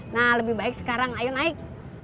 nah lebih baik sekarang ayo naik